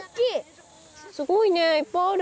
すごいねいっぱいある。